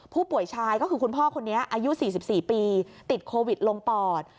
ผู้ป่วยชายก็คือคุณพ่อคนนี้อายุ๔๔ปีติดโควิดลงปอด